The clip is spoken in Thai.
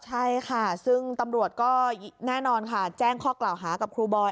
ใช่ค่ะซึ่งตำรวจก็แน่นอนค่ะแจ้งข้อกล่าวหากับครูบอย